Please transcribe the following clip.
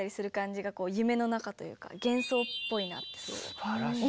すばらしいね。